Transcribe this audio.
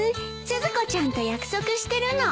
スズコちゃんと約束してるの。